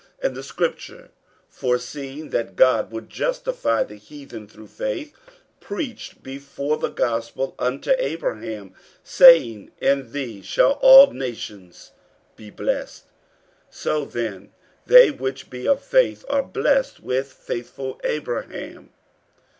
48:003:008 And the scripture, foreseeing that God would justify the heathen through faith, preached before the gospel unto Abraham, saying, In thee shall all nations be blessed. 48:003:009 So then they which be of faith are blessed with faithful Abraham.